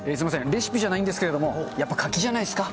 レシピじゃないんですけれども、やっぱ柿じゃないですか。